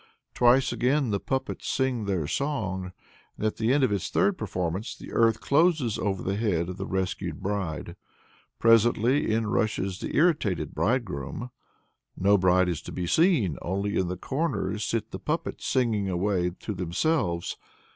Twice again the puppets sing their song, and at the end of its third performance, the earth closes over the head of the rescued bride. Presently in rushes the irritated bridegroom. "No bride is to be seen; only in the corners sit the puppets singing away to themselves."